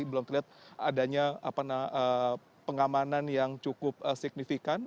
belum terlihat adanya pengamanan yang cukup signifikan